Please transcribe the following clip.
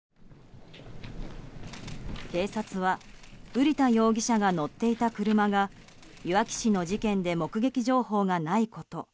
警察は瓜田容疑者が乗っていた車がいわき市の事件で目撃情報がないこと